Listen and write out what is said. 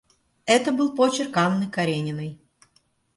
Это был почерк Анны Карениной.